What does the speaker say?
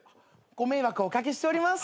ご迷惑おかけしております。